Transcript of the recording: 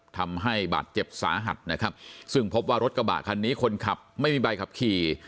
ทำให้บาดเจ็บสาหัสนะครับซึ่งพบว่ารถกระบะคันนี้คนขับไม่มีใบขับขี่